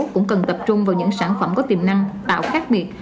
cũng cần tập trung vào những sản phẩm có tiềm năng tạo khác biệt